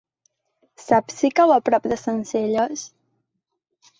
Saps si cau a prop de Sencelles?